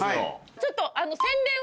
ちょっと。